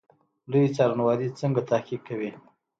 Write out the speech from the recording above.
لوی څارنوالي څنګه تحقیق کوي؟